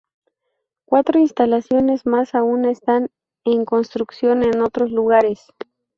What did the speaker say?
Cuatro instalaciones más aún están en construcción en otros lugares.